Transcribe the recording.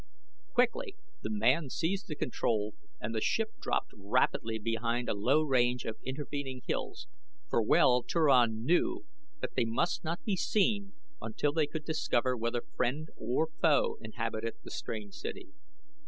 Quickly the man seized the control and the ship dropped rapidly behind a low range of intervening hills, for well Turan knew that they must not be seen until they could discover whether friend or foe inhabited the strange city.